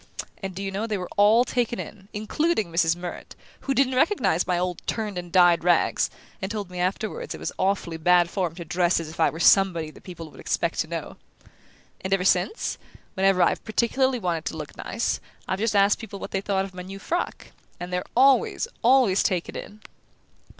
And, do you know, they were all taken in, including Mrs. Murrett, who didn't recognize my old turned and dyed rags, and told me afterward it was awfully bad form to dress as if I were somebody that people would expect to know! And ever since, whenever I've particularly wanted to look nice, I've just asked people what they thought of my new frock; and they're always, always taken in!"